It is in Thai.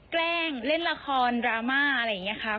แกล้งเล่นละครดราม่าอะไรอย่างนี้ค่ะ